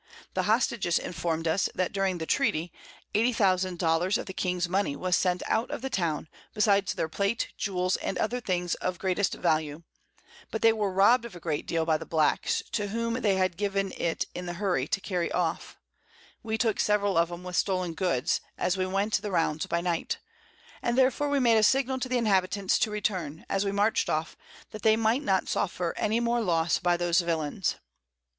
The Hostages inform'd us, that during the Treaty, 80000 Dollars of the King's Money was sent out of the Town, besides their Plate, Jewels, and other Things of greatest Value: But they were robb'd of a great deal by the Blacks, to whom they had given it in the Hurry to carry off: We took several of 'em with stoln Goods, as we went the Rounds by Night; and therefore we made a Signal to the Inhabitants to return, as we march'd off, that they might not suffer any more Loss by those Villains.